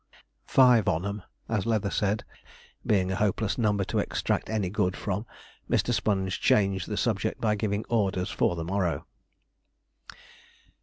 'Five on 'em,' as Leather said, being a hopeless number to extract any good from, Mr. Sponge changed the subject by giving orders for the morrow.